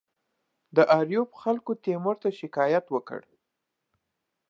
د آریوب خلکو تیمور ته شکایت وکړ.